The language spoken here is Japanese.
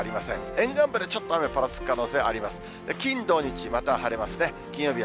沿岸部でちょっと雨がぱらつく可能性があります。